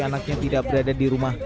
anaknya tidak berada di rumah